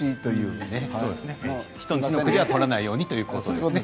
人の家の栗はとらないようにということですね。